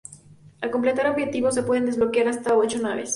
Al completar objetivos se pueden desbloquear hasta ocho naves más.